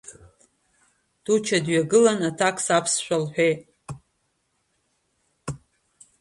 Туча дҩагылан аҭакс аԥсшәа лҳәеит.